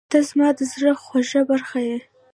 • ته زما د زړه خوږه برخه یې.